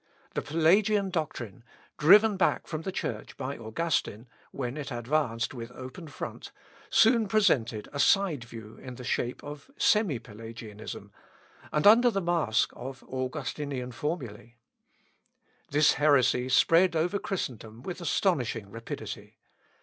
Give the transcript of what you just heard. The Pelagian doctrine, driven back from the Church by Augustine, when it advanced with open front, soon presented a side view in the shape of semi Pelagianism, and under the mask of Augustinian formulæ. This heresy spread over Christendom with astonishing rapidity.